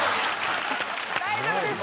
大丈夫です。